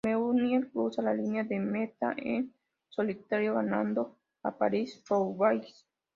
Meunier cruza la línea de meta en solitario ganando la París-Roubaix.